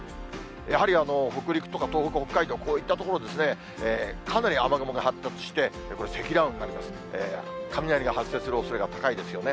やはり北陸とか東北、北海道、こういった所はかなり雨雲が発達して、これ、積乱雲が、雷が発生するおそれが高いですよね。